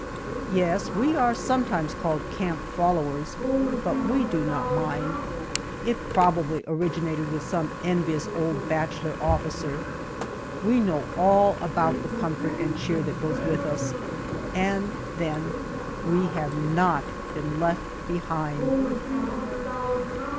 Yes, we are sometimes called "camp followers," but we do not mind it probably originated with some envious old bachelor officer. We know all about the comfort and cheer that goes with us, and then we have not been left behind!